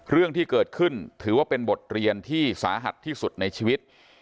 เรื่องที่เกิดขึ้นถือว่าเป็นบทเรียนที่สาหัสที่สุดในชีวิต